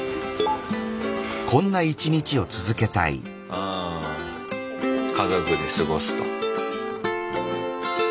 ああ家族で過ごすと。